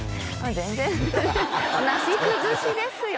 全然なし崩しですよ